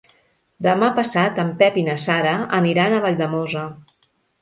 Demà passat en Pep i na Sara aniran a Valldemossa.